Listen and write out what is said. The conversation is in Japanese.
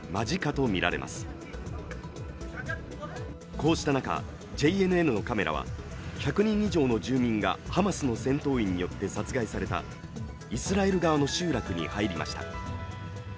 こうした中、ＪＮＮのカメラは１００人以上の住民がハマスの戦闘員によって殺害されたイスラエル側の集落に入りました。